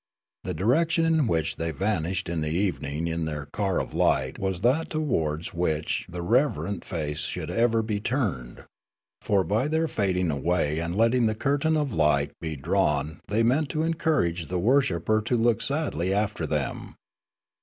The direction in which they vanished in the evening in their car of light was that towards which the rever ent face ever should be turned ; for by their fading away and letting the curtain of night be drawn they meant to encourage the worshipper to look sadly after them.